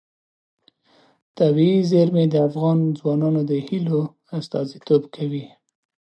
طبیعي زیرمې د افغان ځوانانو د هیلو استازیتوب کوي.